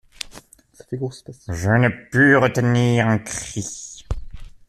«Je ne pus retenir un cri.